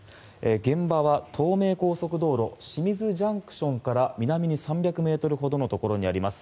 現場は東名高速道路清水ＪＣＴから南に３００ｍほどのところにあります